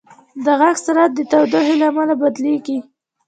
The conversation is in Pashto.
د غږ سرعت د تودوخې له امله بدلېږي.